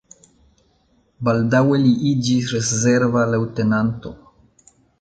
Baldaŭe li iĝis rezerva leŭtenanto.